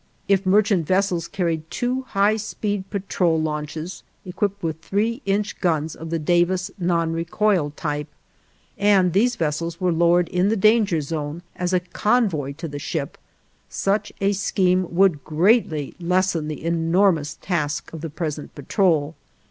If merchant vessels carried two high speed patrol launches equipped with three inch guns of the Davis non recoil type, and these vessels were lowered in the danger zone as a convoy to the ship, such a scheme would greatly lessen the enormous task of the present patrol.